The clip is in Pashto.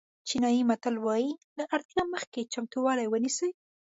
چینایي متل وایي له اړتیا مخکې چمتووالی ونیسئ.